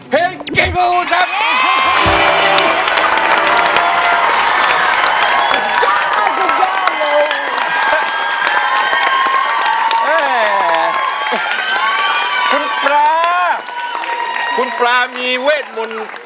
เพ็งเก่งโฟมัน